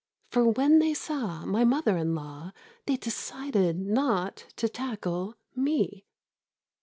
For when they saw My mother in law, They decided not to tackle Me!